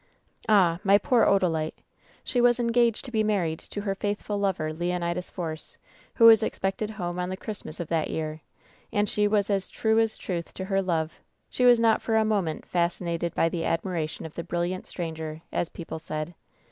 "Ah ! my poor Odalite ! She was engaged to be mar ried to her faithful lover, Leonidas Force, who was expected home on the Christmas of that year ; and she was as true as truth to her love; she was not for a moment ^fascinated by the admiration of the brilliant stranger,' as people said.